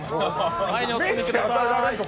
前にお進みください。